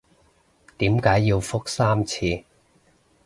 點解要覆三次？